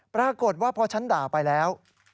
ปรากฏว่าพอฉันด่าไปแล้ว